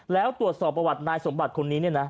แล้วตรวจสอบประวัตินายสมบัติคนนี้เนี่ยนะ